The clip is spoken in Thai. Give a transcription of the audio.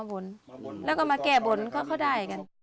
มาบนแล้วก็มาแก่บนก็เข้าได้กัน